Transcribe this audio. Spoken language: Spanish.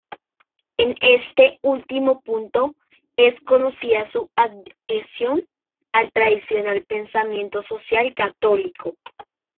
En este último punto es conocida su adhesión al tradicional pensamiento social católico.